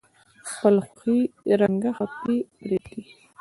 خپلې خوښې رنګه خپې پرې کیږدئ.